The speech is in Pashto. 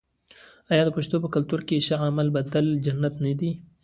آیا د پښتنو په کلتور کې د ښه عمل بدله جنت نه دی؟